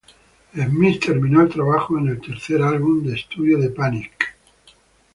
Smith terminó el trabajo en el tercer álbum de estudio de Panic!